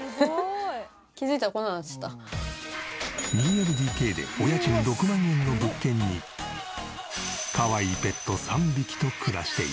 ２ＬＤＫでお家賃６万円の物件にかわいいペット３匹と暮らしている。